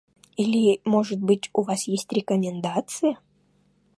Или, может быть, у вас есть рекомендация?